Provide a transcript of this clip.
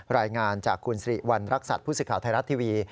รายงานจากคุณสิริวัณรักษัตริย์ผู้สื่อข่าวไทยรัฐทีวี